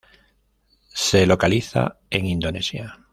Se localiza en Indonesia.